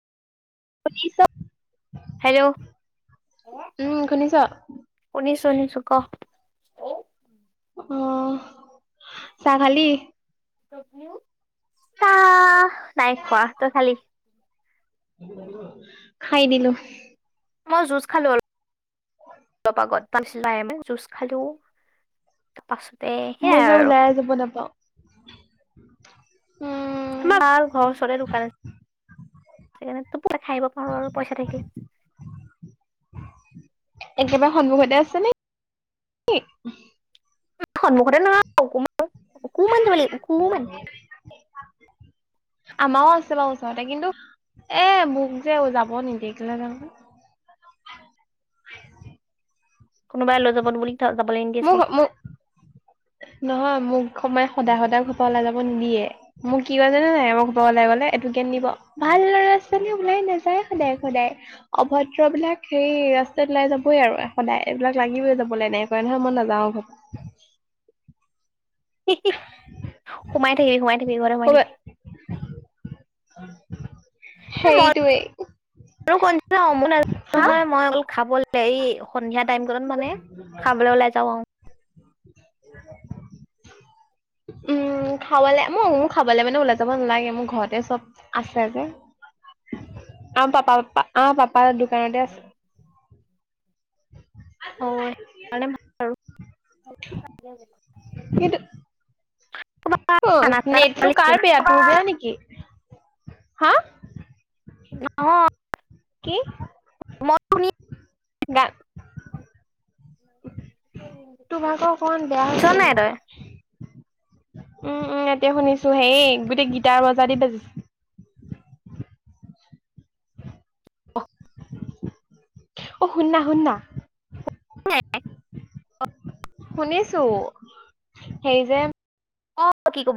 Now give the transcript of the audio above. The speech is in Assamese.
শুনিছ হেল্ল' উম শুনিছ শুনিছোঁ শুনিছোঁ ক। অ', চাহ খালি তা নাই খোৱা তই খালি। খাই দিলোঁ। মই যুচ খালো অলপ অলপ আগত যুচ খালোঁ। মই যে আৰু ওলাই যাব নাপাওঁ উম। আমাৰ ভাল ঘৰ ওচৰৰে দোকান আছে, সেইকাৰণে পতকে খায় পইচা থাকিল। একেবাৰে সন্মুখতে আছে নেকি? সন্মুখতে নহয় অকুমান, অকুমান যাব লাগে অকুমান। আমাৰো আছে বাৰু ওচৰতে কিন্তু এ মোক যে যাব নিদি কিলে নহয়। কোনোবাই লৈ যাব বুলি, যাবলে নিদিয়ে মোক চাগে। মোক নহয় মোক সমাই সদায়-সদায় ঘৰৰ পৰা ওলাই যাব নিদিয়ে। মোক কি কয় জানানে নাই? মোক ঘৰৰ পৰা ওলাই গ'লে এইটো জ্ঞান দিব। ভাল ল'ৰা-ছোৱালী ওলাই নাযায় সদায়-সদায়। অভদ্ৰবিলাক সেই ৰাস্তাত ওলাই যাবই আৰু সদায়, এইবিলাক লাগিবে যাবলৈ এনেকুৱা কয় নহয় মই, নাযাওঁ [unintelligible] সোমাই থাকিবি, সোমাই থাকিবি ঘৰতে সোমাই পৰা থাকিবি। [unintelligible] হেৰিটোৱেই মইয়ো কনচা [unintelligible] নাজায় হা নহয়, মই অকল খাবলে এই সন্ধিয়া টাইম কনত মানে খাবলৈ ওলাই যাওঁ আৰু। [inaudible] উম, খাবলে মই মোৰ খাবে মানে ওলাই যাব নালাগে, মোৰ ঘৰতে চব আছে যে, আৰু পাপা আমাৰ পাপাৰ দোকানতে আছে। অহ, সেইকাৰণে ভাল আৰু। [unintelligible] ক'ৰবাত খানা চানা এটা খাব নেটটো কাৰ লাগিছিলে বেয়া, তোৰ বেয়া নেকি? হা! নহয়। কি? মই শুনি গান [unintelligible] তোৰ ভাগৰ অকমান বেয়া হৈছে শুনিছনে নাই তই? নেটটো উম', উম', এতিয়া শুনিছোঁ হেৰি গোটেই গীটাৰ বজা দি বাজিছে। অহ, শুন না, শুন না? শুনিছোঁ সেই যে কয় কি ক'ব